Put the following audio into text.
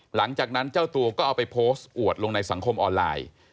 หลังจากนั้นเจ้าตัวก็เอาไปโพสต์อวดลงในสังคมออนไลน์